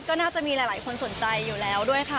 ก็น่าจะมีหลายคนสนใจอยู่แล้วด้วยค่ะ